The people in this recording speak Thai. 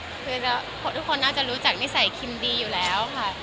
คือทุกคนน่าจะรู้จักนิสัยคิมดีอยู่แล้วค่ะ